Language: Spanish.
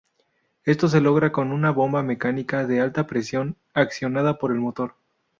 Esto se logra con una bomba mecánica de alta presión accionada por el motor.